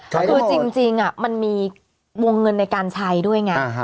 คือจริงมันมีวงเงินในการใช้ด้วยไง